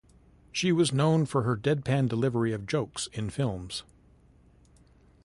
She was known for her deadpan delivery of jokes in films.